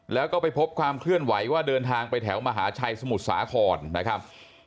แล้วก็ไปพบความเคลื่อนไหวว่าเดินทางไปแถวมหาชัยสมุทรสาครนะครับ